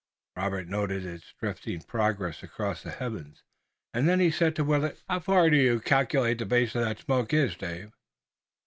Robert noted its drifting progress across the heavens, and then he said to Willet: "How far from here do you calculate the base of that smoke is, Dave?"